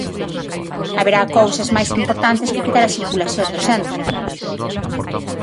Haberá cousas máis importantes que quitar a circulación do centro.